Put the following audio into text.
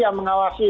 kalau di televisi